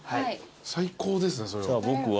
最高ですねそれは。